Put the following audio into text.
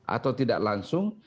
atau tidak langsung